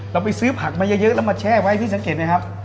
ไปซื้อผักมาเยอะแล้วมาแช่ไว้พี่สังเกตไหมครับ